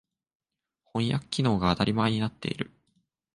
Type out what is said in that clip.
翻訳機能が当たり前になっている。